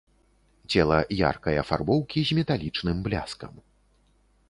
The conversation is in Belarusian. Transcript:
Цела яркай афарбоўкі, з металічным бляскам.